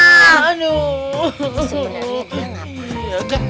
sebenernya dia gak apa apa